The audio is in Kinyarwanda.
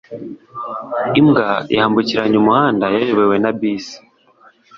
Imbwa yambukiranya umuhanda yayobowe na bisi